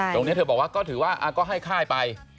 ตรงนี้เธอบอกว่าก็ถือว่าก็ให้ค่ายไป